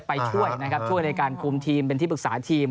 ไปช่วยในการคุมทีมเป็นที่ปรึกษาทีม